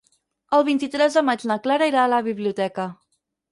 El vint-i-tres de maig na Clara irà a la biblioteca.